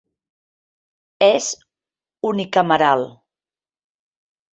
És unicameral.